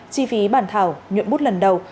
chi phí bản thảo nhuận bút lần đầu